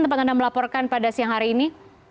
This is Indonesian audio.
tempat anda melaporkan pada siang hari ini